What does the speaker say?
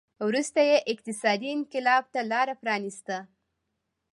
وروسته یې اقتصادي انقلاب ته لار پرانېسته.